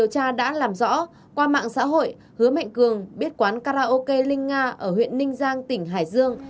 hứa mạnh cường biết quán karaoke linh nga ở huyện ninh giang tỉnh hải dương